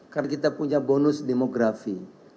kan kita punya bonus demografi